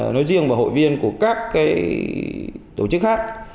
nói riêng và hội viên của các tổ chức khác